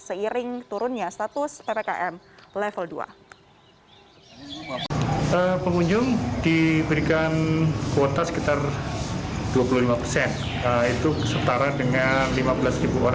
seiring turunnya status ppkm level dua